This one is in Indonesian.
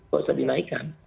kalau sudah dinaikkan